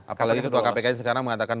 apalagi ketua kpk yang sekarang mengatakan